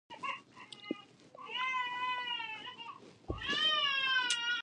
ازادي راډیو د حیوان ساتنه په اړه د پرانیستو بحثونو کوربه وه.